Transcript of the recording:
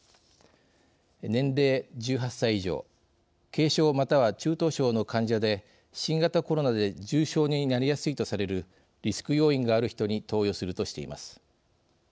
年齢１８歳以上軽症または中等症の患者で新型コロナで重症になりやすいとされるリスク要因がある人に投与するとしています。